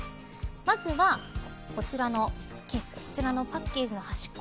まずは、こちらのケースこちらのパッケージの端っこ。